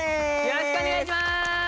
よろしくお願いします！